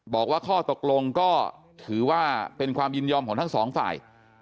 บอกว่าข้อตกลงก็ถือว่าเป็นความยินยอมของทั้งสองฝ่าย